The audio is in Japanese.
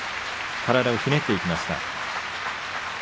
体をひねっていきました。